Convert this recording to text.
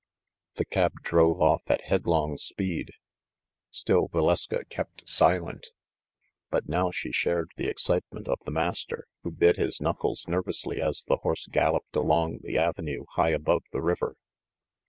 The cab drove off at headlong speed. Still Valeska kept silent; but now she shared the excitement of the Master, who bit his knuckles nerv ously as the horse galloped along the avenue high above the river.